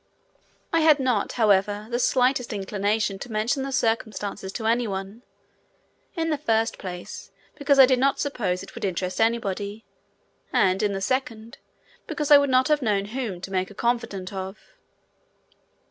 I had not, however, the slightest inclination to mention the circumstances to anyone; in the first place, because I did not suppose it would interest anybody, and in the second because I would not have known whom to make a confidant of.